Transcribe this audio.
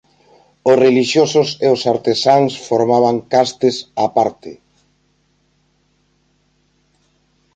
Os relixiosos e os artesáns formaban castes a parte.